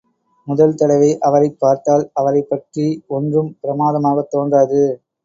முதல் தடவை அவரைப் பார்த்தால் அவரைப் பற்றி ஒன்றும் பிரமாதமாகத் தோன்றாது.